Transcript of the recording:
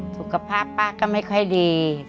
สุขภาพป้าก็ไม่ค่อยดี